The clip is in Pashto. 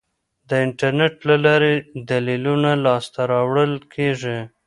د انټرنیټ له لارې دلیلونه لاسته راوړل کیږي.